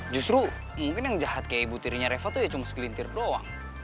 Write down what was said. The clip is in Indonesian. justru mungkin yang jahat kayak ibu tirinya reva tuh ya cuma segelintir doang